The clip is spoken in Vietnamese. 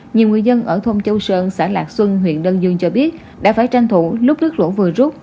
nhiều người dân ở thôn châu sơn xã lạc xuân huyện đơn dương cho biết đã phải tranh thủ lúc nước lũ vừa rút